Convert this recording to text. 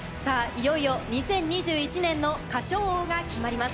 いよいよ２０２１年の歌唱王が決まります。